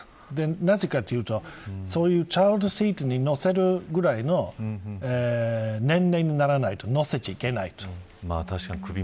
なぜかというとそういうチャイルドシートに乗せるくらいの年齢にならないと乗せちゃいけないんです。